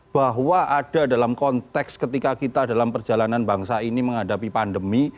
bahwa ada dalam konteks ketika kita dalam perjalanan bangsa ini menghadapi pandemi